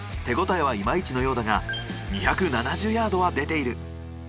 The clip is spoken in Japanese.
手応えはイマイチのようだが２７０ヤードは出ている。